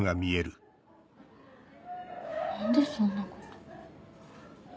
何でそんなこと。